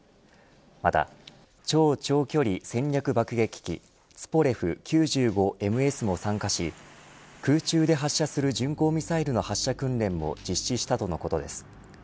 また超長距離戦略爆撃機ツポレフ９５ＭＳも参加し空中で発射する巡航ミサイルの発射訓練も実施したとのことです。